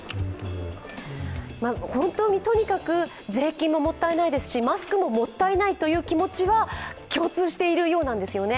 本当にとにかく税金ももったいないですし、マスクももったいないという気持ちは共通しているようなんです。